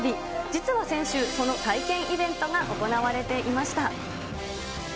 実は先週、この体験イベントが行われていました。